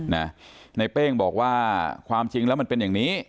ในเป้งบอกว่าความจริงแล้วมันเป็นอย่างนี้